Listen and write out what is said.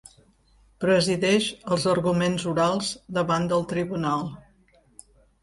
Presideix els arguments orals davant del tribunal.